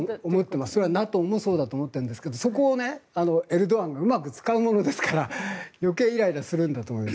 それはＮＡＴＯもそう思ってるんですがエルドアンがうまく使うもんですから余計イライラするんだと思います。